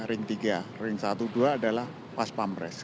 ring tiga ring satu dua adalah pas pampres